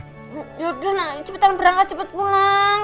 yaudah nani cepetan berangkat cepet pulang